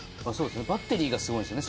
バッテリーがすごいですね。